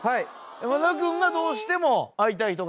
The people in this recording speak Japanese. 山田君がどうしても会いたい人がいる？